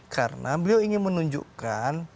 karena beliau ingin menunjukkan